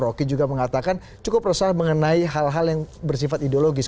rocky juga mengatakan cukup resah mengenai hal hal yang bersifat ideologis